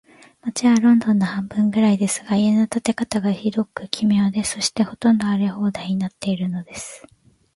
街はロンドンの半分くらいですが、家の建て方が、ひどく奇妙で、そして、ほとんど荒れ放題になっているのです。